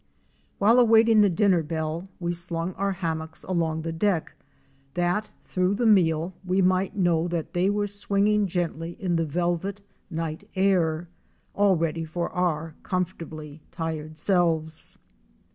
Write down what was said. While awaiting the dinner bell we slung our hammocks along the deck, that through the meal we might know that they were swinging gently in the velvet night air, all ready for our comfortably tired selves.